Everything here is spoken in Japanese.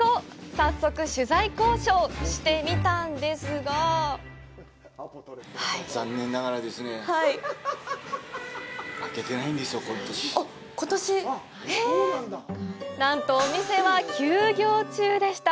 早速、取材交渉してみたんですがなんと、お店は休業中でした。